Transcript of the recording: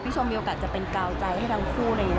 พี่ชมมีโอกาสจะเป็นกาวใจให้ทั้งสอง